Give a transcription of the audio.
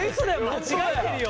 間違ってるよ！